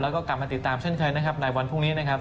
แล้วก็กลับมาติดตามเช่นเคยนะครับในวันพรุ่งนี้นะครับ